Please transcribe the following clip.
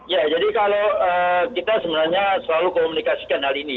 ya jadi kalau kita sebenarnya selalu komunikasikan hal ini